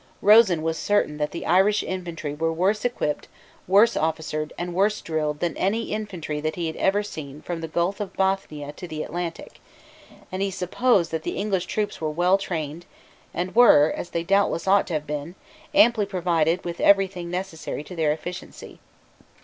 Rosen was certain that the Irish infantry were "worse equipped, worse officered, and worse drilled," than any infantry that he had ever seen from the Gulf of Bothnia to the Atlantic; and he supposed that the English troops were well trained, and were, as they doubtless ought to have been, amply provided with every thing necessary to their efficiency.